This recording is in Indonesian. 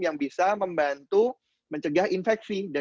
yang bisa membantu mencari kemampuan